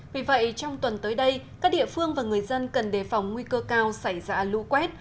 vì vậy trong tuần tới đây các địa phương và người dân cần đề phòng nguy cơ cao xảy ra lũ quét